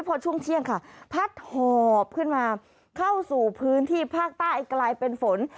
พอช่วงเที่ยงค่ะพัดหอบขึ้นมาเข้าสู่พื้นที่ภาคใต้กลายเป็นฝน